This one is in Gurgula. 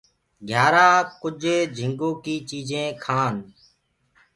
گھيآرآ ڪُج جھِنگو ڪي چيجينٚ کآن۔